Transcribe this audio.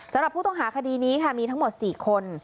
สำหรับผู้ต้องหาคดีนี้ค่ะมีทั้งหมด๔คน